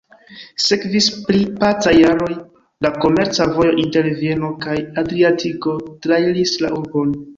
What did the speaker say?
Sekvis pli pacaj jaroj, la komerca vojo inter Vieno kaj Adriatiko trairis la urbon.